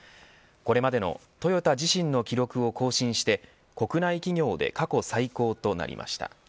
これまでのトヨタ自身の記録を更新して国内企業で過去最高となりました。